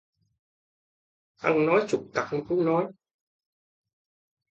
Ăn nói xụt cặt mà cũng nói